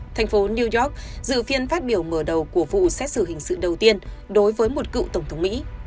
thành phố new york dự phiên phát biểu mở đầu của vụ xét xử hình sự đầu tiên đối với một cựu tổng thống mỹ